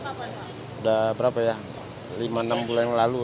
udah berapa ya lima enam bulan yang lalu